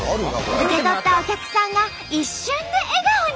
受け取ったお客さんが一瞬で笑顔に。